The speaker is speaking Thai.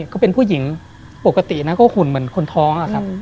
ก็เป็นผู้หญิงปกติก็หุ่นเหมือนคนท้อง